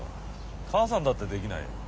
母さんだってできないよ。